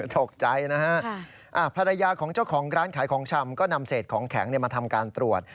ตกใจนะฮะภรรยาของเจ้าของร้านขายของชำก็นำเศษของแข็งมาทำการตรวจ